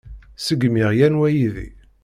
Ssegmiɣ yan waydi.